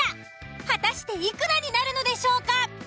果たしていくらになるのでしょうか。